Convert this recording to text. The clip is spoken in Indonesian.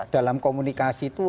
dalam komunikasi itu